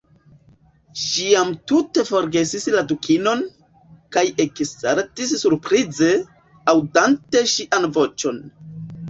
Ŝi jam tute forgesis la Dukinon, kaj eksaltis surprize, aŭdante ŝian voĉon.